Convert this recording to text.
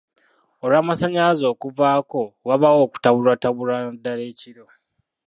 Olw'amasanyalzae okuvaako wabaawo okutabulwatabulwa naddala ekiro.